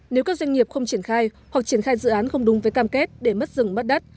nếu các doanh nghiệp không triển khai hoặc triển khai dự án không đúng với cam kết để mất rừng mất đất